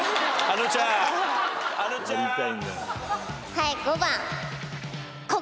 はい５番。